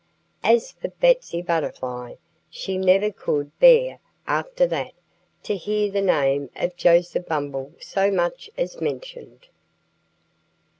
As for Betsy Butterfly, she never could bear, after that, to hear the name of Joseph Bumble so much as mentioned.